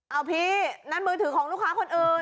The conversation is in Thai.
เอาพี่นั่นมือถือของลูกค้าคนอื่น